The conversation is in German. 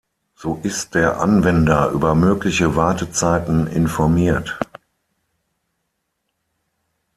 So ist der Anwender über mögliche Wartezeiten informiert.